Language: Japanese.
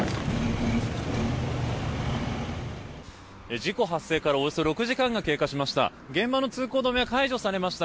事故発生からおよそ６時間が経過しました。